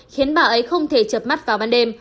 khiến bà ấy không thể chập mắt vào ban đêm